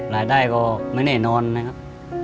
รายได้ก็ไม่แน่นอนนะครับ